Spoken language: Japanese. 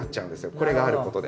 これがあることで。